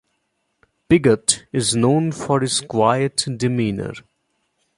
Piggott is known for his quiet demeanor.